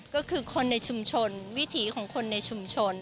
ก็คือคนในชุมชนวิถีของคนในชุมชน